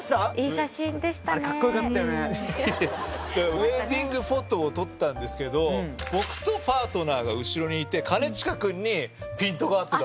ウエディングフォトを撮ったんですけど僕とパートナーが後ろにいて兼近君にピントが合ってた。